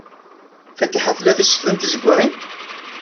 Fatiḥa tla tisefḍin tiẓeɣɣalin?